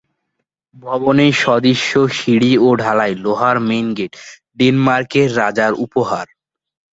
ভবনের সুদৃশ্য সিঁড়ি ও ঢালাই লোহার মেন গেট ডেনমার্কের রাজার উপহার।